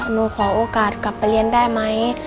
หนูขอโอกาสกลับไปเรียนได้ไหม